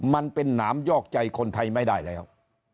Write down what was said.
มันเป็นหนามยอกใจคนไทยไม่ได้แล้ว